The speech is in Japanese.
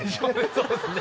そうですね。